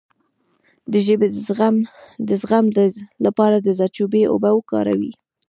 د ژبې د زخم لپاره د زردچوبې اوبه وکاروئ